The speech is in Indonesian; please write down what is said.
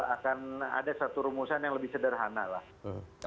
akan ada satu rumusan yang lebih sederhana lah